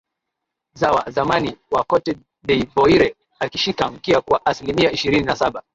s wa zamani wa cote deivoire akishika mkia kwa aslimia ishirini na saba